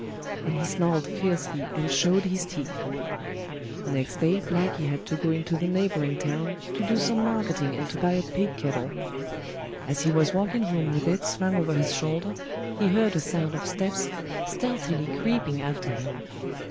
and he snarled fiercely and showed his teeth. Next day Blacky had to go into the neighbouring town to do some marketing and to buy a big kettle. As he was walking home with it slung over his shoulder, he heard a sound of steps stealthily creeping after him.